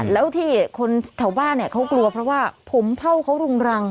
แล้วที่คนแถวบ้านเขากลัวเพราะว่าผมเผ่าเขารุงรัง